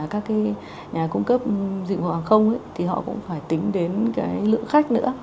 các cái nhà cung cấp dịch vụ hàng không thì họ cũng phải tính đến cái lượng khách nữa